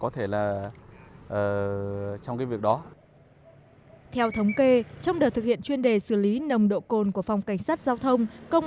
theo thống kê trong đợt thực hiện chuyên đề xử lý nồng độ cồn của phòng cảnh sát giao thông công